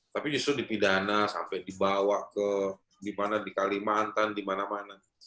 tapi justru dipidana sampai dibawa ke di kalimantan di mana mana